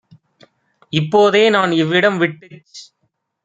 இப்போ தேநான் இவ்விடம் விட்டுச்